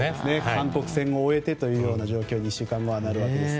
韓国戦を終えてという状況に１週間後はなるわけです。